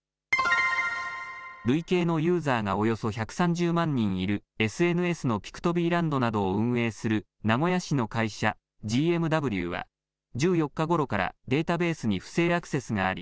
累計のユーザーがおよそ１３０万人いるＳＮＳのｐｉｃｔＢＬａｎｄなどを運営する名古屋市の会社、ＧＭＷは、１４日ごろからデータベースに不正アクセスがあり、